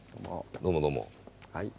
どうもどうも。